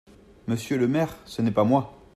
Monsieur le maire… ce n’est pas moi.